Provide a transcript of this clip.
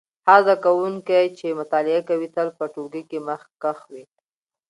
هغه زده کوونکی چې مطالعه کوي تل په ټولګي کې مخکښ وي.